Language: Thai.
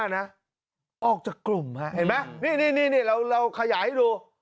๕๕๕นะออกจากกลุ่มฮะเห็นมั้ยนี่เราขยายให้ดู